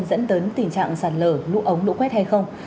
dẫn đến tình trạng sạt lở lũ ống lũ quét hay không